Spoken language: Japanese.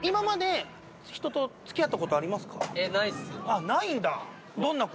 あっないんだ。